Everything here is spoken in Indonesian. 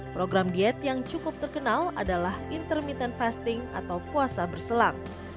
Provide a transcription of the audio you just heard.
program diet yang cukup terkenal adalah intermittent fasting atau puasa berselang